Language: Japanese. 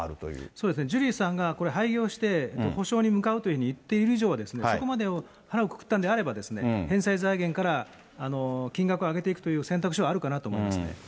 そうですね、ジュリーさんが廃業して、補償に向かうというふうに言っている以上は、そこまで腹をくくったんであれば、返済財源から金額を上げていくという選択肢はあるかなと思います